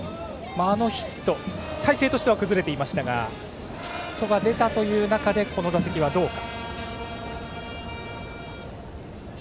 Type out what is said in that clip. あのヒット体勢としては崩れていましたがヒットが出たという中でこの打席はどうか。